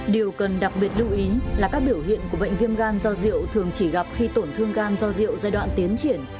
điều cần đặc biệt lưu ý là các biểu hiện của bệnh viêm gan do rượu thường chỉ gặp khi tổn thương gan do rượu giai đoạn tiến triển